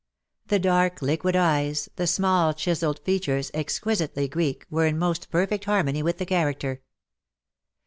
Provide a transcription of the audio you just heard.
The dark liquid eyes, the small chiselled features, exquisitely Greek, were in most perfect harmony with the character.